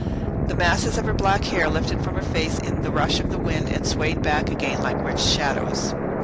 The masses of her black hair lifted from her face in the rush of the wind and swayed back again like rich shadows.